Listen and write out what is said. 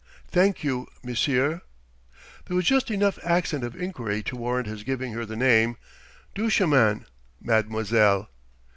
"Thank you, monsieur...?" There was just enough accent of enquiry to warrant his giving her the name: "Duchemin, mademoiselle."